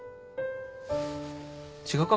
違うか？